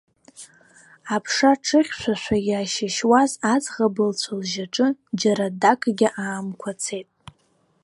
Аԥша ҿыхьшәашәа иашьышьуаз аӡӷаб лцәа-лжьаҿы џьара дакгьы аамқәацеит.